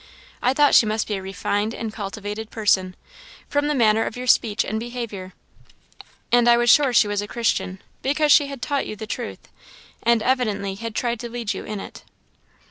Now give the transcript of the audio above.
I thought she must be a refined and cultivated person, from the manner of your speech and behaviour; and I was sure she was a Christian, because she had taught you the truth, and evidently had tried to lead you in it."